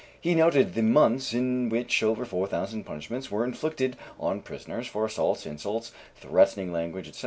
He noted the months in which over 4,000 punishments were inflicted on prisoners for assaults, insults, threatening language, etc.